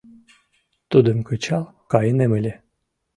Тудым кычал кайынем ыле.